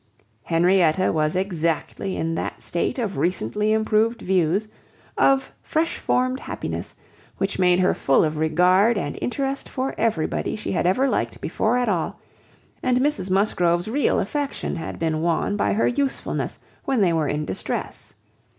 Henrietta was exactly in that state of recently improved views, of fresh formed happiness, which made her full of regard and interest for everybody she had ever liked before at all; and Mrs Musgrove's real affection had been won by her usefulness when they were in distress.